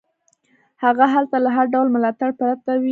هغه هلته له هر ډول ملاتړ پرته وي.